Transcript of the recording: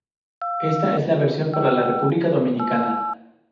Esta es la versión para la República Dominicana.